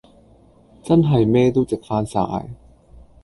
真係咩都值返曬